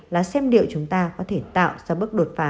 là xem liệu chúng ta có thể tạo ra bước đột phá